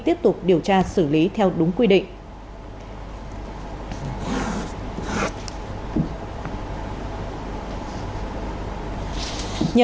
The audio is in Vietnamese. tiếp tục điều tra xử lý theo đúng quy định